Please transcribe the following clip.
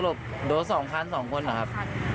อ๋อสรุปโดดส่องคันสองคนเหรอครับ